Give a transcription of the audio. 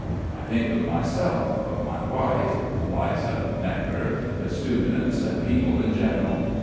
I think of myself, of my wife, Liza, Gnekker, the students, people in general.